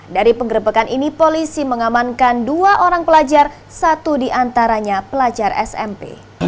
dari penggerbekan ini polisi mengamankan dua orang pelajar satu diantaranya pelajar smp